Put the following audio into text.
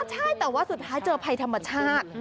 ใช่แต่ว่าสุดท้ายเจอภัยธรรมชาติ